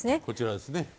こちらですね。